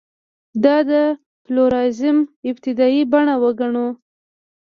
دا د پلورالېزم ابتدايي بڼه وګڼو.